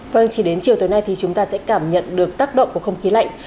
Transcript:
vâng chỉ đến chiều tối nay thì chúng ta sẽ cảm nhận được tác động của không khí lạnh